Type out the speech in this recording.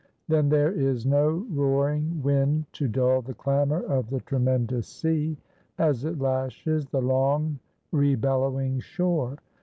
Then there is no roaring wind to dull the clamor of the tremendous sea as it lashes the long re bellowing shore.